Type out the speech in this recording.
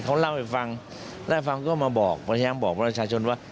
เขาเล่าให้ฟังแล้วฟังก็มาแย้งบอกประชาชนว่า